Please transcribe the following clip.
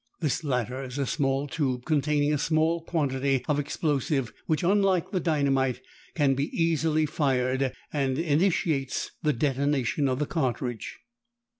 This latter is a small tube containing a small quantity of explosive which, unlike the dynamite, can be easily fired, and initiates the detonation of the cartridge.